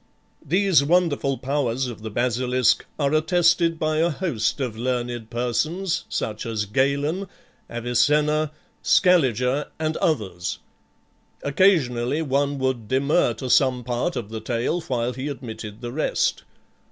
These wonderful powers of the basilisk are attested by a host of learned persons, such as Galen, Avicenna, Scaliger, and others. Occasionally one would demur to some part of the tale while he admitted the rest.